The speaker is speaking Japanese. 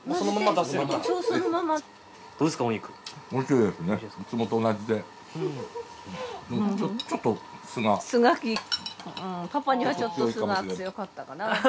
パパにはちょっと酢が強かったかな。